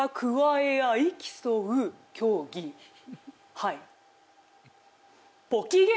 はい。